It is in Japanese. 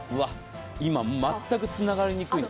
今、全くつながりにくい。